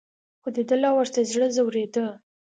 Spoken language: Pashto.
خو دده لا ورته زړه ځورېده.